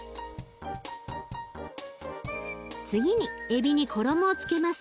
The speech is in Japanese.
次にエビに衣をつけます。